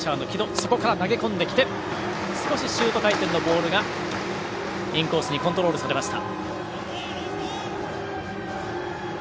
そこから投げ込んできて少しシュート回転のボールがインコースにコントロールされました。